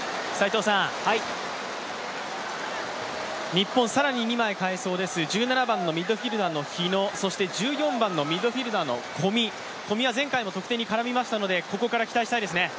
日本更に二枚代えそうです、１７番のミッドフィルダーの日野、そして１４番のミッドフィルダーの小見、小見は前回も得点に絡みましたので、ここから期待したいですね。